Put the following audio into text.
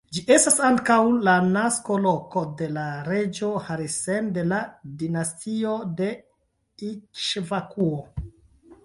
Ĝi estas ankaŭ la naskoloko de la reĝo Harisen de la dinastio de Ikŝvakuo.